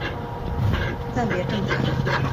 暂别政坛。